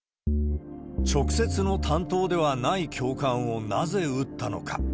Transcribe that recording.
直接の担当ではない教官をなぜ撃ったのか。